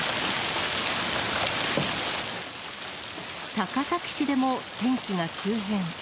高崎市でも天気が急変。